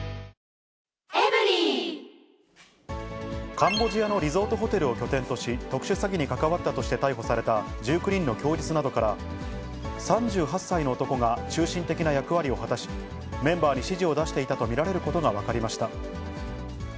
カンボジアのリゾートホテルを拠点とし、特殊詐欺に関わったとして逮捕された１９人の供述などから、３８歳の男が中心的な役割を果たし、メンバーに指示を出していたと見られることが分かりました。